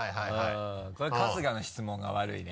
これ春日の質問が悪いね。